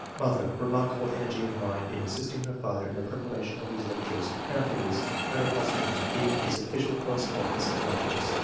Mother — Remarkable energy of mind in assisting her father in the preparation of his lec tures, and afterwards her husband in his official correspondence and writings.